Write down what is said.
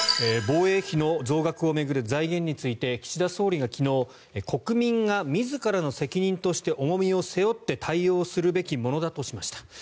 防衛費の増額を巡る財源について岸田総理が昨日国民が自らの責任として重みを背負って対応するべきものだとしました。